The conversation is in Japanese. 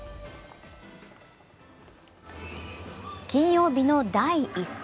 金曜日の第１戦。